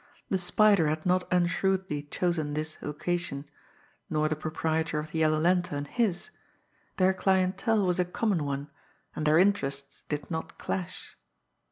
The Spider had not unshrewdly chosen his location; nor the proprietor of "The Yellow Lantern" his their clientele was a common one, and their interests did not clash!